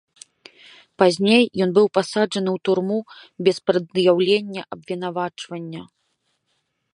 Пазней ён быў пасаджаны ў турму без прад'яўлення абвінавачвання.